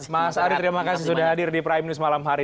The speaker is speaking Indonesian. mas ari terima kasih sudah hadir di prime news malam hari